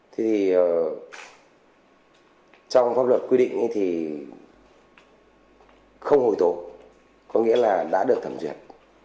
thế thì trong pháp luật quy định thì không hồi tố có nghĩa là đã được thẩm duyệt